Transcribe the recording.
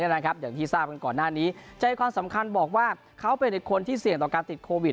อย่างที่ทราบกันก่อนหน้านี้ใจความสำคัญบอกว่าเขาเป็นอีกคนที่เสี่ยงต่อการติดโควิด